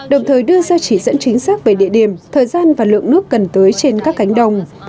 đồng thời đưa ra chỉ dẫn chính xác về địa điểm thời gian và lượng nước cần tưới trên các cánh đồng